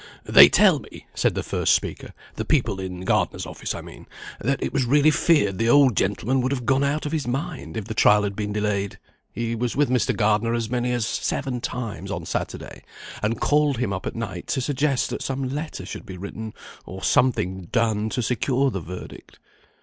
"They tell me," said the first speaker, "the people in Gardener's office I mean, that it was really feared the old gentleman would have gone out of his mind, if the trial had been delayed. He was with Mr. Gardener as many as seven times on Saturday, and called him up at night to suggest that some letter should be written, or something done to secure the verdict."